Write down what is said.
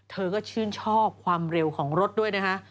เธอก็ชื่นชอบความเร็วของรถด้วยนะคะ